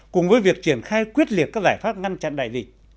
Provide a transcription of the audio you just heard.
cùng với việc triển khai quyết liệt các giải pháp ngăn chặn đại dịch